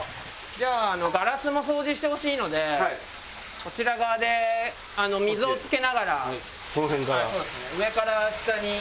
じゃあガラスも掃除してほしいのでこちら側で水をつけながら。